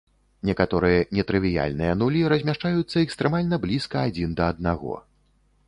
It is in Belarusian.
Некаторыя нетрывіяльныя нулі размяшчаюцца экстрэмальна блізка адзін да аднаго.